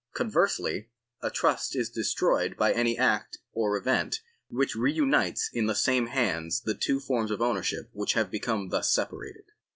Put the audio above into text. Conversely, a trust is destroyed by any act or event which reunites in the same hands the two forms of ownership which have become thus separated.